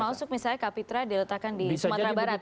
termasuk misalnya kapitra diletakkan di sumatera barat